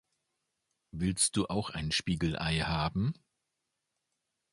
Willst du auch ein Spiegelei haben?